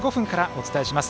お伝えします。